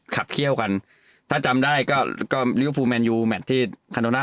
คับเขี้ยวกันถ้าจำได้ก็ก็ริวภูมิแมนยูแมทที่คันโดน่า